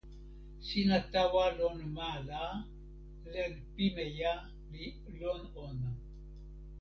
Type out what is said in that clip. sina tawa lon ma la, len pimeja li lon ona.